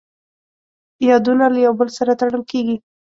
یادونه له یو بل سره تړل کېږي.